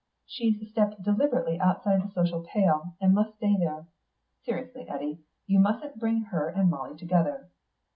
She's stepped deliberately outside the social pale, and must stay there. Seriously, Eddy, you mustn't bring her and Molly together."